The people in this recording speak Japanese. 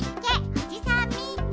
おじさんみっけ！